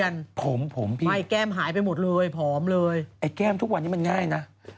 น่าเปียน